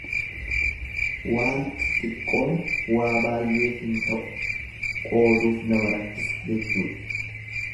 Waanti xiqqoon waa baayyeef hin ta'u, qooduuf nama rakkisa jechuudha.